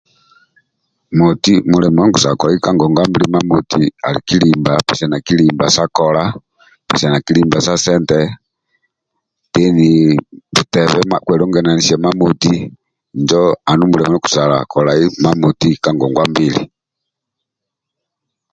Moti mulimo ndie kitoka kolai imamoti ka ngongwa mbili ali kilimba pesiana kilimba sa kola pesiana kilimba sa sente deni bitebe ma kwelungananisa mamoti injo andulu ndio okusobola kolai mamoti ka ngongwa mbili